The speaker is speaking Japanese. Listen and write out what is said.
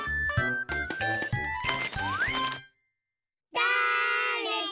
だれだ？